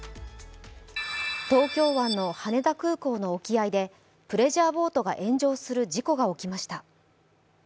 東京湾の羽田空港の沖合でプレジャーボートが炎上する事故が起きました。